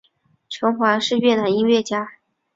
陈桓是越南音乐家。